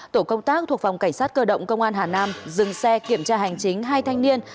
tổ công tác thuộc phòng cảnh sát cơ động công an hà nam dừng xe kiểm tra hành chính hai thanh niên